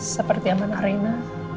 seperti amanah rena